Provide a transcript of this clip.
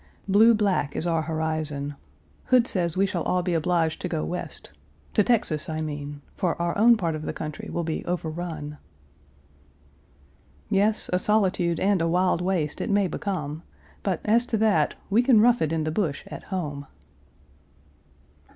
Blue black is our horizon. Hood says we shall all be obliged to go West to Texas, I mean, for our own part of the country will be overrun. Yes, a solitude and a wild waste it may become, but, as to that, we can rough it in the bush at home.